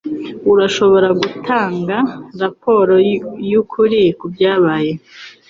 Urashobora gutanga raporo yukuri kubyabaye?